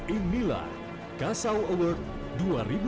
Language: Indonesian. inilah kasau award dua ribu sembilan belas